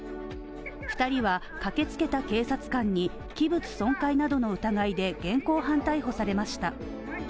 ２人は駆けつけた警察官に器物損壊などの疑いで現行犯逮捕されました。